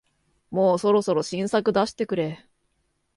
もうそろそろ新作出してくれ